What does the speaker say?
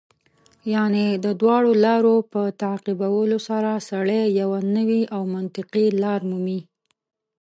یعنې د دواړو لارو په تعقیبولو سره سړی یوه نوې او منطقي لار مومي.